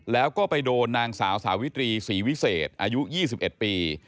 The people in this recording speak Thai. แล้วก็ไปโดนนางสาวสาวิตรีศรีวิเศษอายุ๒๑ปี